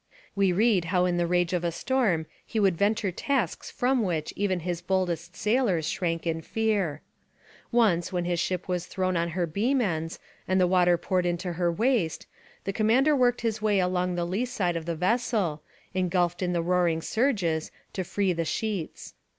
We read how in the rage of a storm he would venture tasks from which even his boldest sailors shrank in fear. Once, when his ship was thrown on her beam ends and the water poured into the waist, the commander worked his way along the lee side of the vessel, engulfed in the roaring surges, to free the sheets.